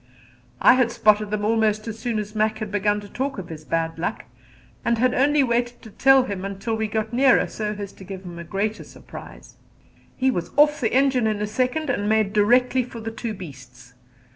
I had spotted them almost as soon as Mac had begun to talk of his bad luck, and had only waited to tell him until we got nearer, so as to give him a greater surprise. He was off the engine in a second and made directly for the two beasts.